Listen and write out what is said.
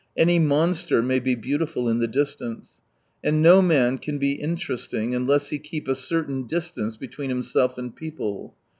Any monster may be beautiful in the distance. And no man can be interest ing unless he keep a certain distance between himself and people.